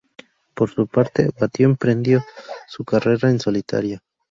Por su parte, Batio emprendió su carrera en solitario.